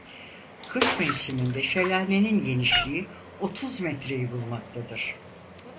Kış mevsiminde şelalenin genişliği otuz metreyi bulmaktadır.